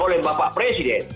oleh bapak presiden